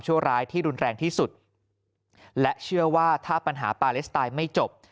ร้ายที่รุนแรงที่สุดและเชื่อว่าถ้าปัญหาปาเลสไตน์ไม่จบ